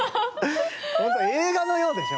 本当映画のようでしょ？